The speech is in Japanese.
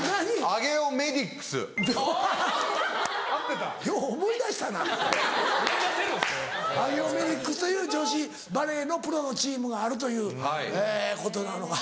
上尾メディックスという女子バレーのプロのチームがあるということなのか。